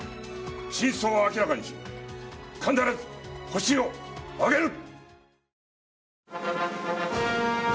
真相を明らかにし必ずホシを挙げる！